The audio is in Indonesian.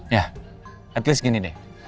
ya at least gini deh